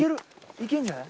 いけんじゃない？